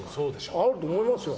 あると思いますよ。